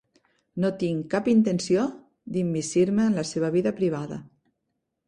No tinc cap intenció d'immiscir-me en la seva vida privada.